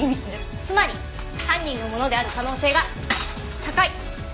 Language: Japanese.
つまり犯人のものである可能性が高い。